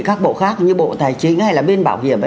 các bộ khác như bộ tài chính hay là bên bảo hiểm ấy